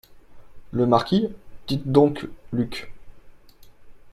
Le Marquis - Dites donc, Luc ?